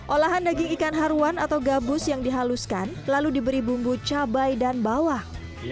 olahan daging ikan haruan atau gabus yang dihaluskan lalu diberi bumbu cabai dan bawah